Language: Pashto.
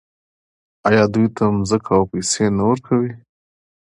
آیا دوی ته ځمکه او پیسې نه ورکوي؟